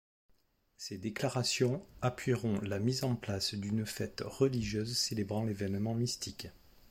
Ces déclarations appuieront la mise en place d'une fête religieuse célébrant l'événement mystique.